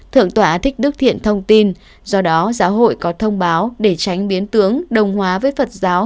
thượng tọa thích đức thiện thông tin do đó giáo hội có thông báo để tránh biến tướng đồng hóa với phật giáo